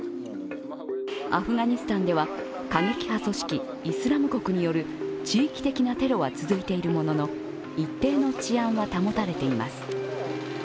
アフガニスタンでは過激派組織イスラム国による地域的なテロは続いているものの、一定の治安は保たれています。